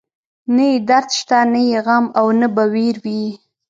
نه يې درد شته، نه يې غم او نه به وير وي